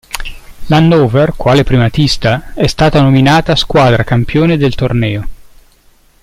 L'Hannover, quale primatista, è stata nominata squadra campione del torneo.